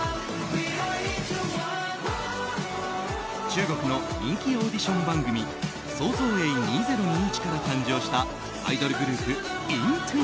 中国の人気オーディション番組「創造営２０２１」から誕生したアイドルグループＩＮＴＯ１。